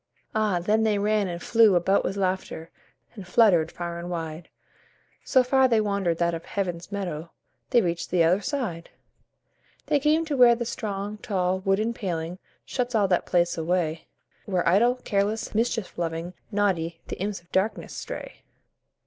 Ah! then they ran and flew about with laughter, And fluttered far and wide, So far they wandered that of Heaven's meadow They reached the other side. They came to where the strong, tall, wooden paling Shuts all that place away, Where idle, careless, mischief loving, naughty, The Imps of Darkness stray.